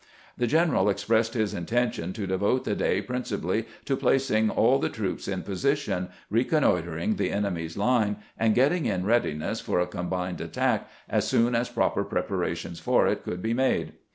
The general expressed his in tention to devote the day principally to placing all the troops in position, reconnoitering the enemy's line, and getting in readiness for a combined attack as soon as proper preparations for it could be made.